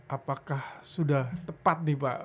apakah sudah tepat nih pak